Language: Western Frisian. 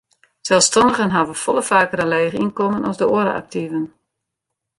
Selsstannigen hawwe folle faker in leech ynkommen as de oare aktiven.